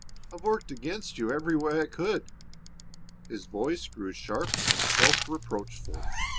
I've worked against you every way I could." His voice grew sharp and self reproachful.